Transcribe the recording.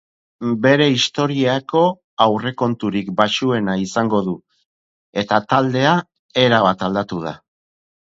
Bere historiako aurrekonturik baxuena izango du, eta taldea erabat aldatu da.